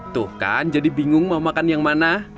tuh kan jadi bingung mau makan yang mana